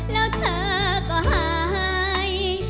แล้วเธอก็หาย